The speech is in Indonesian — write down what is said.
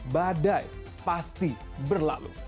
badai pasti berlalu